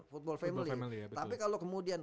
football family tapi kalau kemudian